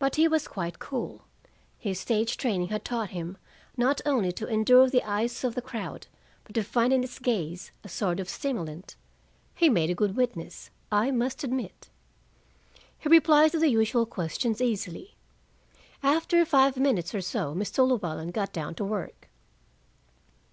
But he was quite cool. His stage training had taught him not only to endure the eyes of the crowd, but to find in its gaze a sort of stimulant. He made a good witness, I must admit. He replied to the usual questions easily. After five minutes or so Mr. Llewellyn got down to work.